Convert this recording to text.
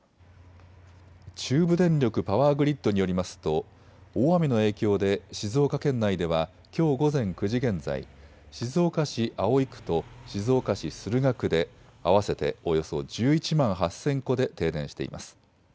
中部電力パワーグリッドによりますと大雨の影響で静岡県内ではきょう午前９時現在、静岡市葵区と静岡市駿河区で合わせておよそ１１万８０００戸で停電しています。